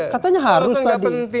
katanya harus tadi